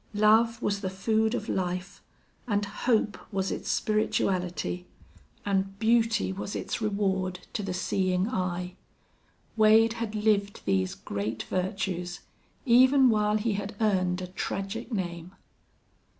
Love was the food of life, and hope was its spirituality, and beauty was its reward to the seeing eye. Wade had lived these great virtues, even while he had earned a tragic name.